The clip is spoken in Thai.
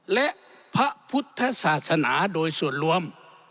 และพระพุทธศาสนาโดยส่วนรวม